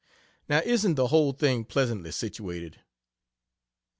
Now isn't the whole thing pleasantly situated?